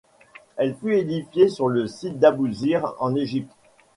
Elle fut édifiée sur le site d'Abousir en Égypte.